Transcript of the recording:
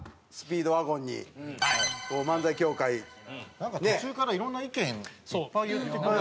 なんか途中からいろんな意見いっぱい言ってくれて。